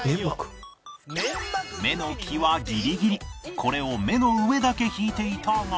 目の際ギリギリこれを目の上だけ引いていたが